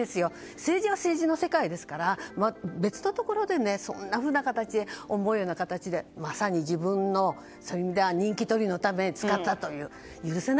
政治は政治の世界ですから別のところで、思うような形でまさに自分の人気取りのために使ったという。